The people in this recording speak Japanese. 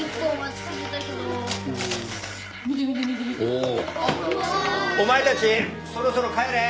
おおお前たちそろそろ帰れ。